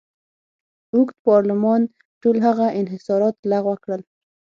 اوږد پارلمان ټول هغه انحصارات لغوه کړل.